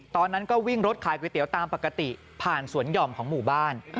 ตอนนั้นก็วิ่งรถขายก๋วยเตี๋ยวตามปกติผ่านสวนหย่อมของหมู่บ้าน